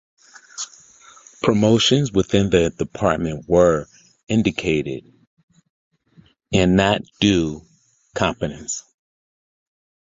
Promotions within the department were indicated and not due competence.